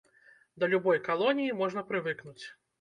Да любой калоніі можна прывыкнуць.